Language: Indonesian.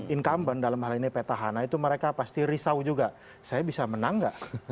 incumbent dalam hal ini petahana itu mereka pasti risau juga saya bisa menang gak